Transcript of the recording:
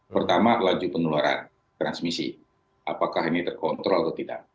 pertama laju pengeluaran transmisi apakah ini terkontrol atau tidak